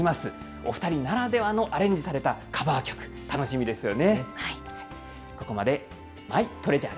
お２人ならではのアレンジされたカバー曲、楽しみですよね。